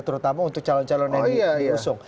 terutama untuk calon calon yang diusung